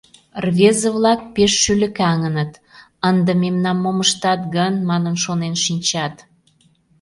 Рвезе-влак пеш шӱлыкаҥыныт, ынде мемнам мом ыштат гын, манын шонен шинчат.